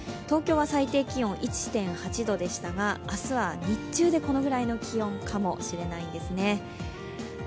東京は最低気温１．８度でしたが、明日は日中でこのぐらいの気温かもしれないんですね。